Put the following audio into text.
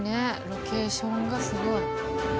ロケーションがすごい。